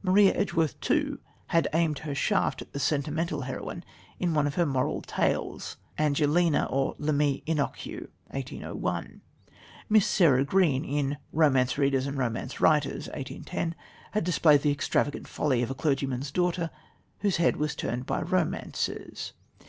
Maria Edgeworth too had aimed her shaft at the sentimental heroine in one of her Moral Tales Angelina or L'Amie Inconnue (1801). Miss Sarah Green, in Romance Readers and Romance Writers (1810) had displayed the extravagant folly of a clergyman's daughter whose head was turned by romances.